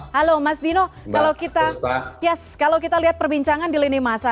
halo mas dino kalau kita lihat perbincangan di lini masa